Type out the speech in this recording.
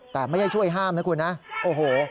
แต่ไม่ใช่ช่วยห้ามนะคุณนะโอ้โห